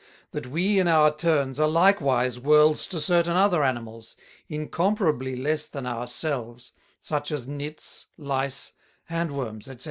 That we in our turns, are likewise Worlds to certain other Animals, incomparably less than our selves, such as Nits, Lice, Hand worms, &c.